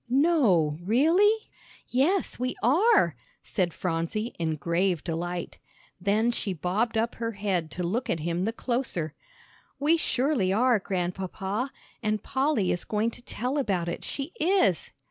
"No, really?" "Yes, we are," said Phronsie, in grave delight. Then she bobbed up her head to look at him the closer. "We surely are, Grandpapa; and Polly is going to tell about it, she is."